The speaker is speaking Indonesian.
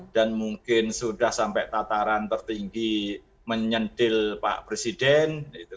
dan mungkin sudah sampai tataran tertinggi menyendil pak presiden